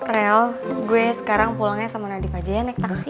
rel gue sekarang pulangnya sama nadief aja ya naik taksi